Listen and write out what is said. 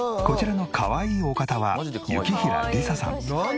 こちらのかわいいお方は雪平莉左さん。